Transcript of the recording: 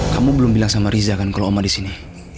kamu belum bilang sama riza kan kalau oma disini